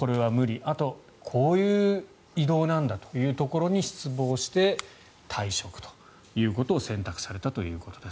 あと、こういう異動なんだというところに失望して退職ということを選択されたということです。